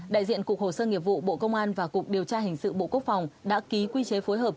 đại diện cục hồ sơ nghiệp vụ bộ công an và cục điều tra hình sự bộ quốc phòng đã ký quy chế phối hợp